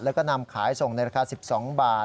แล้วก็นำขายส่งในราคา๑๒บาท